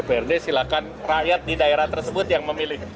dprd silakan rakyat di daerah tersebut yang memilih